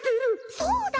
そうだ！